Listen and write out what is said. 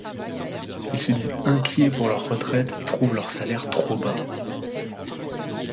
Ils se disent inquiets pour leurs retraites et trouvent leurs salaires trop bas.